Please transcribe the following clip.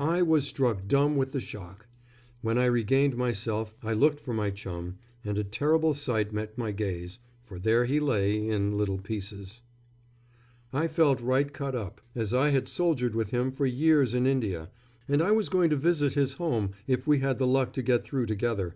I was struck dumb with the shock. When I regained myself I looked for my chum, and a terrible sight met my gaze, for there he lay in little pieces. I felt right cut up, as I had soldiered with him for years in India, and I was going to visit his home if we had the luck to get through together.